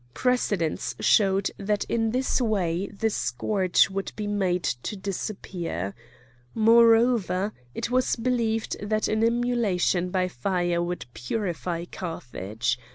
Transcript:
Precedents showed that in this way the scourge would be made to disappear. Moreover, it was believed that an immolation by fire would purify Carthage.